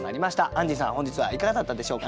アンジーさん本日はいかがだったでしょうかね？